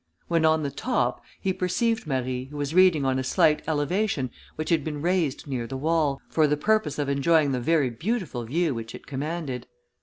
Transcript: When on the top, he perceived Marie, who was reading on a slight elevation which had been raised near the wall, for the purpose of enjoying the very beautiful view which it commanded.